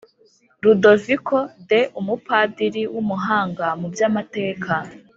ludoviko de umupadiri w'umuhanga mu by'amateka